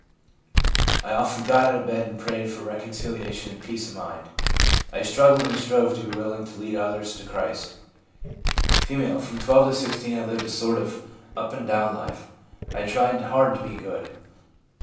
I often got out of bed and prayed for reconciliation and peace of mind. I struggled and strove to be willing to lead others to Christ 1 F. 'From 12 to 16 I lived a sort of up and down life ; I tried hard to be good.